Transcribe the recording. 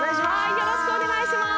よろしくお願いします。